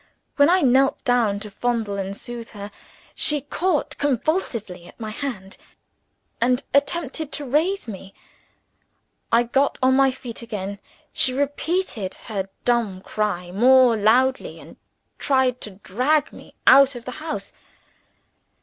When I knelt down to fondle and soothe her, she caught convulsively at my hand, and attempted to raise me. I got on my feet again. She repeated her dumb cry more loudly and tried to drag me out of the house.